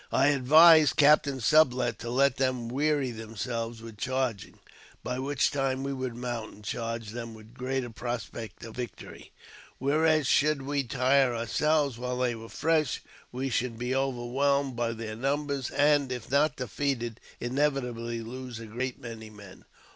I advised Captain Sublet to let them weary themselves with charging, by which time we would mount and charge them with greater prospect of victory ; whereas, should we tire our selves while they were fresh, we should be overwhelmed by their numbers, and, if not defeated, inevitably lose a great many men.